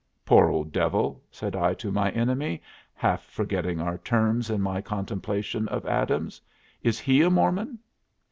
"Poor old devil!" said I to my enemy, half forgetting our terms in my contemplation of Adams. "Is he a Mormon?"